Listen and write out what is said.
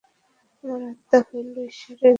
আমার আত্মা হইল ঈশ্বরের একটি অংশ।